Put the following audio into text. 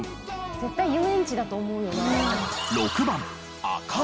絶対遊園地だと思うよな。